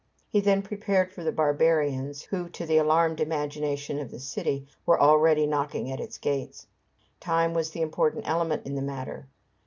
He then prepared for the barbarians who, to the alarmed imagination of the city, were already knocking at its gates. Time was the important element in the matter.